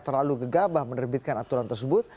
terlalu gegabah menerbitkan aturan tersebut